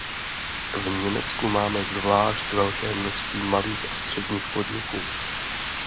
V Německu máme zvlášť velké množství malých a středních podniků.